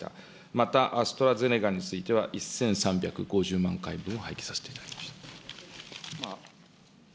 またアストラゼネカについては、１３５０万回分を廃棄させていただきました。